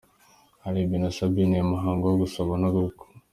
Caleb na Sabine mu muhango wo gusaba no gukwa.